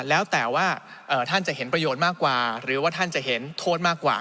แล้วแต่ว่าท่านจะเห็นประโยชน์มากกว่าหรือว่าท่านจะเห็นโทษมากกว่า